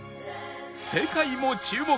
世界も注目！